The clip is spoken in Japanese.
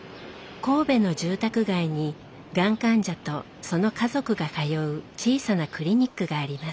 神戸の住宅街にがん患者とその家族が通う小さなクリニックがあります。